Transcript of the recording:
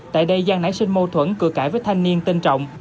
tại đây giang nãy sinh mô thuẫn cửa cãi với thanh niên tên trọng